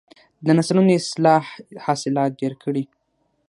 د نسلونو اصلاح حاصلات ډیر کړي.